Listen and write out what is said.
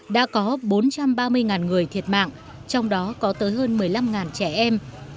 đã có bốn trăm ba mươi người thiệt mạng trong đó có tới hơn một mươi năm trẻ em